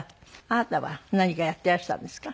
あなたは何かやっていらしたんですか？